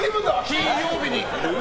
金曜日に！